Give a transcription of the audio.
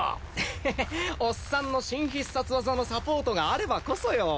ヘヘおっさんの新必殺技のサポートがあればこそよ。